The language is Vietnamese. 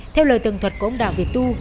theo lời tường thuật của ông đạo việt tu